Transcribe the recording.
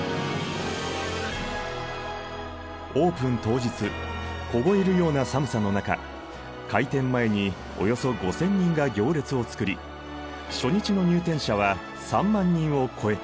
オープン当日凍えるような寒さの中開店前におよそ５，０００人が行列を作り初日の入店者は３万人を超えた。